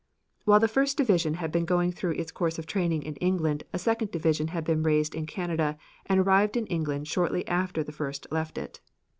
While the first division had been going through its course of training in England a second division had been raised in Canada and arrived in England shortly after the first left it.